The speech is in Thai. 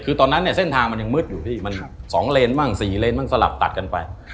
คือตอนนั้นเส้นทางมันยังมืดอยู่สองเลนส์บ้างสี่เลนส์แบบสลับตัดกันไป